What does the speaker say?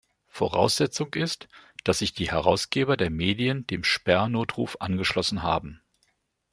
Voraussetzung ist, dass sich die Herausgeber der Medien dem Sperr-Notruf angeschlossen haben.